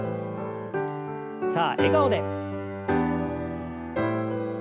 さあ笑顔で。